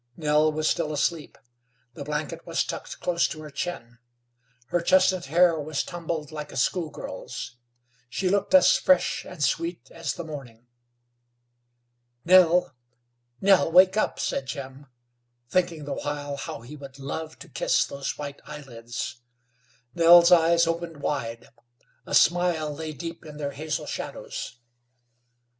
Nell was still asleep. The blanket was tucked close to her chin. Her chestnut hair was tumbled like a schoolgirl's; she looked as fresh and sweet as the morning. "Nell, Nell, wake up," said Jim, thinking the while how he would love to kiss those white eyelids. Nell's eyes opened wide; a smile lay deep in their hazel shadows.